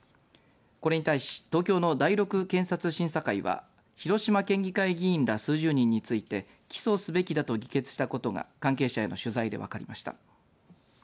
これに対し東京の第６検察審査会は広島県議会議員ら数十人について起訴すべきだと議決したことが関係者への取材で分かりました。